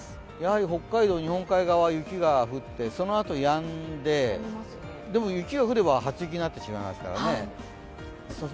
北海道、日本海側は雪が降って、そのあとやんで、でも雪が降れば初雪になってしまいますからね。